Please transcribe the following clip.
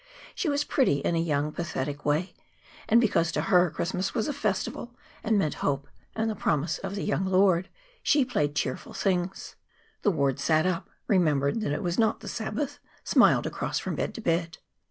She was pretty in a young, pathetic way, and because to her Christmas was a festival and meant hope and the promise of the young Lord, she played cheerful things. The ward sat up, remembered that it was not the Sabbath, smiled across from bed to bed.